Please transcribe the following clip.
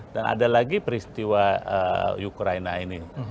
dan ada lagi peristiwa ukraina ini